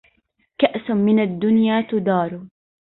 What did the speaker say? كأس من الدنيا تدار